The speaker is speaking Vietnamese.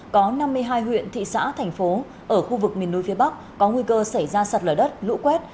có năm mươi hai huyện thị xã thành phố ở khu vực miền núi phía bắc có nguy cơ xảy ra sạt lở đất lũ quét